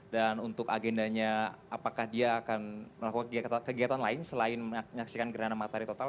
dan untuk agendanya apakah dia akan melakukan kegiatan lain selain menyaksikan gerhana matahari total